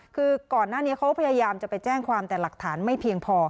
คือก่อนหน้านี้เขาพยายามจะไปแจ้งความแต่หลักฐานไม่เพียงพอ